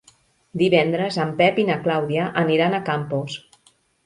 Divendres en Pep i na Clàudia aniran a Campos.